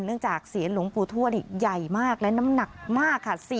เนื่องจากเสียนหลวงปู่ทวดใหญ่มากและน้ำหนักมากค่ะ